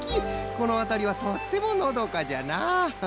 このあたりはとってものどかじゃな。